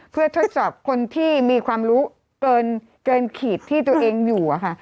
เพื่อทดสอบคนที่มีความรู้เกินขีดที่ตัวเองอยู่อะค่ะ